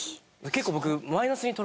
結構僕。